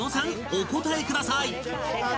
お答えください！